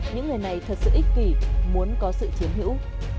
những người này thật sự ích kỷ muốn có sự chiến hữu